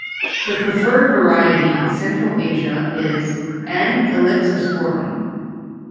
The preferred variety in Central Asia is "N. ellipsosporum".